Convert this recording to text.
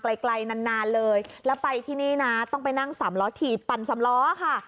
ไกลไกลนานนานเลยแล้วไปที่นี่นะต้องไปนั่งสามล้อถีบปั่นสำล้อค่ะ